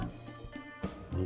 kok salam papa gak dijawab